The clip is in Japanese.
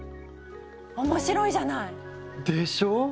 面白いじゃない！でしょう？